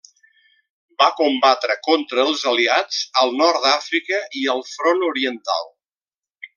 Va combatre contra els Aliats al Nord d'Àfrica i al front oriental.